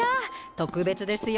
特別ですよ！